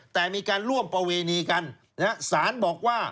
แต่มีการร่วมประเวณีกันนะฮะสารบอกว่า